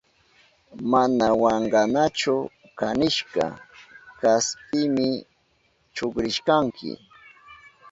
Manami wankanachu kanishka kashapimi chukrishkanki.